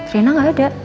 reina gak ada